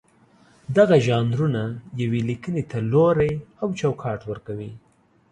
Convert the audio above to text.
دغه ژانرونه یوې لیکنې ته لوری او چوکاټ ورکوي.